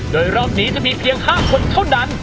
โดยรอบนี้จะมีเพียง๕คนเท่านั้น